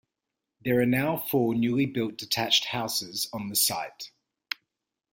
There are now four newly built detached houses on the site.